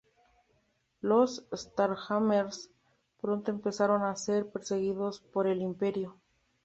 Los Starjammers pronto empezaron a ser perseguidos por el imperio.